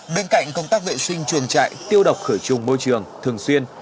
bên cạnh công tác vệ sinh trường trại tiêu độc khởi trùng môi trường thường xuyên